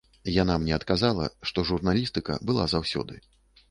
Яна мне адказала, што журналістыка была заўсёды.